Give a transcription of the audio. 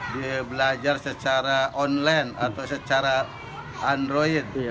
dia belajar secara online atau secara android